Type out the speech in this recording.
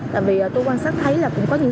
tại vì tôi quan sát thấy là cũng có những